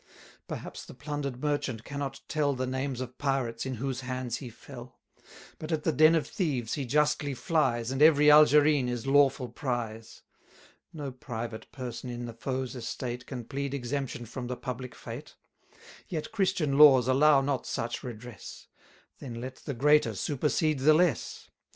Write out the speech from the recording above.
Perhaps the plunder'd merchant cannot tell The names of pirates in whose hands he fell; But at the den of thieves he justly flies, And every Algerine is lawful prize. No private person in the foe's estate Can plead exemption from the public fate. 350 Yet Christian laws allow not such redress; Then let the greater supersede the less.